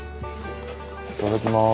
いただきます。